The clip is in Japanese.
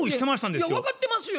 いや分かってますよ。